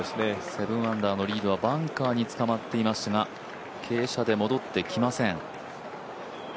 ７アンダーのリードはバンカーに捕まっていますが傾斜で戻ってきません。